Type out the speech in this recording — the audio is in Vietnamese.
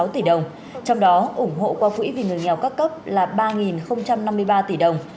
trong đó ủng hộ qua quỹ vì người nghèo các cấp là ba năm mươi ba tỷ đồng